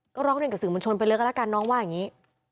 ก็ร้องเรียนกับสื่อมวลชนไปเลยก็แล้วกันน้องว่าอย่างนี้